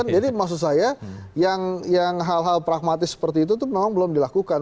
jadi maksud saya yang hal hal pragmatis seperti itu tuh memang belum dilakukan